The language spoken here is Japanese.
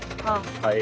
はい。